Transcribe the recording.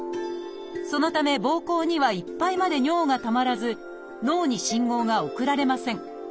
そのためぼうこうにはいっぱいまで尿がたまらず脳に信号が送られません。